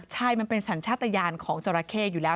ใช่มันเป็นสัญชาติยานของจราเข้อยู่แล้ว